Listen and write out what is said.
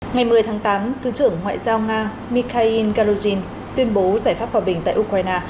ngày một mươi tháng tám thứ trưởng ngoại giao nga mikhail galugin tuyên bố giải pháp hòa bình tại ukraine